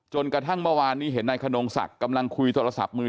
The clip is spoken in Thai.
จนกระทั่งเมื่อวานนี้เห็นนายขนงศักดิ์กำลังคุยโทรศัพท์มือ